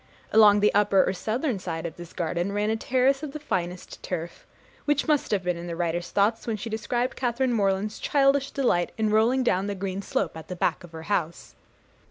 Along the upper or southern side of this garden, ran a terrace of the finest turf, which must have been in the writer's thoughts when she described Catharine Morland's childish delight in 'rolling down the green slope at the back of the house.'